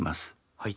はい。